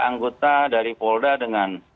anggota dari polda dengan